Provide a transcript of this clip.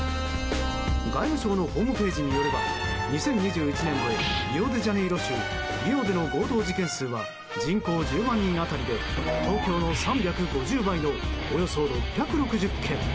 外務省のホームページによれば２０２１年のリオデジャネイロ州リオでの強盗事件数は人口１０万人当たりで東京の３５０倍のおよそ６６０件。